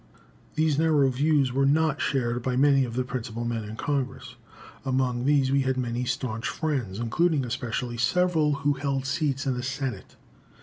These narrow views were not shared by most of the principal men in Congress; among these we had many staunch friends, including especially several who held seats in the Senate.